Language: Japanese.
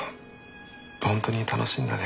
本当に楽しいんだね。